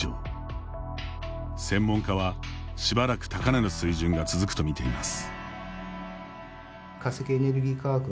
専門家は、しばらく高値の水準が続くと見ています。